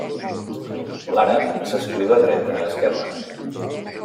L'àrab s'escriu de dreta a esquerra.